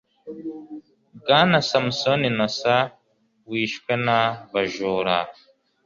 Bwana SAMUSONI Innocent wishwena bajura